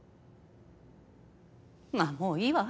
まあもういいわ。